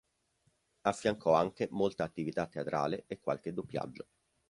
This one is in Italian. Affiancò anche molta attività teatrale e qualche doppiaggio.